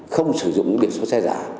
không sử dụng biển số xe giả